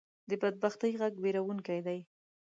د بدبختۍ غږ وېرونکې دی